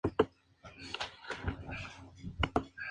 Los cargos fueron eventualmente retirados.